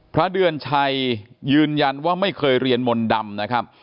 พระเดือนชัยยืนยันว่าไม่เคยเรียนมนต์ดำนะครับ